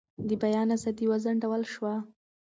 د بیان ازادي وځنډول شوه.